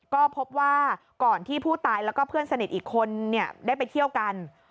ก็พบว่าก่อนที่ผู้ตายแล้วก็เพื่อนสนิทอีกคนได้ไปเที่ยวกัน